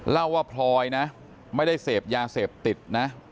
เล่าว่าพลอยนะไม่ได้เสพยาเสพติดนะ